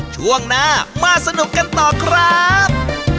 ช่วงหน้ามาสนุกกันต่อครับ